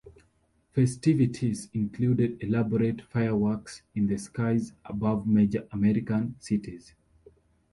Festivities included elaborate fireworks in the skies above major American cities.